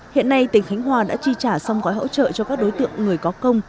hiện nay tỉnh khánh hòa đã chi trả xong gói hỗ trợ cho các đối tượng người có công